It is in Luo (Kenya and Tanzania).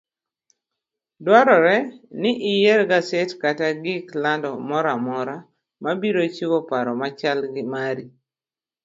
Dwarore ni iyier gaset kata gik lando moramora mabiro chiwo paro machal gi mari.